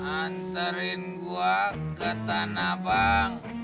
anterin gua ke tanah abang